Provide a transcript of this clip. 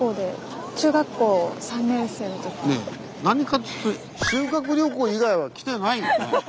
何かっつうと修学旅行以外は来てないよね。